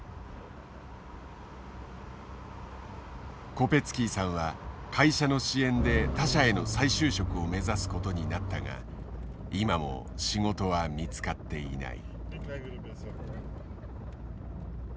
コペツキーさんは会社の支援で他社への再就職を目指すことになったが今も仕事は見つかっていない。